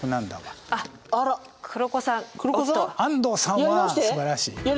安藤さんはすばらしい。